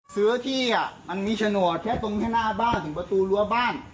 เสื้อที่มันมีโฉนดแค่ตรงแค่หน้าบ้านถึงประตูรั้วบ้าน